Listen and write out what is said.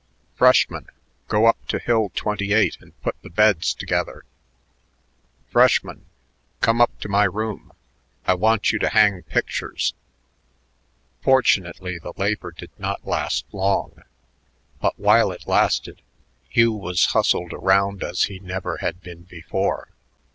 "Freshman! go up to Hill Twenty eight and put the beds together."... "Freshman! come up to my room. I want you to hang pictures." Fortunately the labor did not last long, but while it lasted Hugh was hustled around as he never had been before.